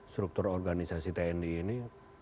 struktur organisasi tni ini